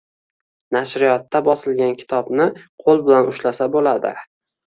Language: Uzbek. Nashriyotda bosilgan kitobni qo‘l bilan ushlasa bo‘ladi.